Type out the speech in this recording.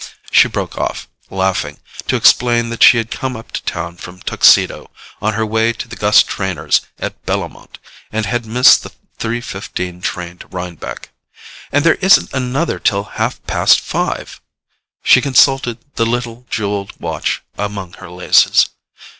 She broke off, laughing, to explain that she had come up to town from Tuxedo, on her way to the Gus Trenors' at Bellomont, and had missed the three fifteen train to Rhinebeck. "And there isn't another till half past five." She consulted the little jewelled watch among her laces.